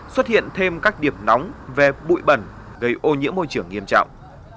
xuất hiện thêm các điểm nóng về bụi bẩn gây ô nhiễm môi trường nghiêm trọng